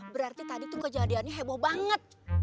berarti tadi tuh kejadiannya heboh banget